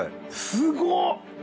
すごっ！